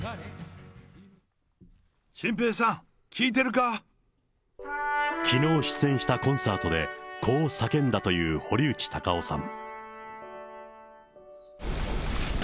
チンペイさん、きのう出演したコンサートで、こう叫んだという堀内孝雄さん。